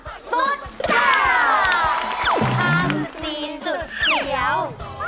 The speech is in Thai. ภาพสตรีสุดเสียว